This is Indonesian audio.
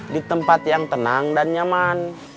di tempat yang tenang dan nyaman